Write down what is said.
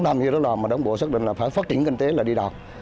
như đó là mà đồng bộ xác định là phải phát triển kinh tế là đi đọc